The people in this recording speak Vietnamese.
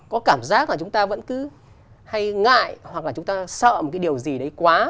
có cảm giác là chúng ta vẫn cứ hay ngại hoặc là chúng ta sợ một cái điều gì đấy quá